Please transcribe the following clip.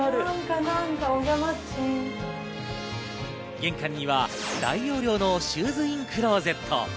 玄関には大容量のシューズインクローゼット。